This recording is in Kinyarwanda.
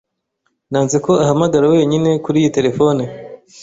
Nanze ko ahamagara wenyine kuri iyi terefone.